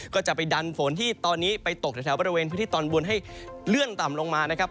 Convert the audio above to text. ก็จะไปดันฝนที่ตอนนี้ไปตกแถวบริเวณพื้นที่ตอนบนให้เลื่อนต่ำลงมานะครับ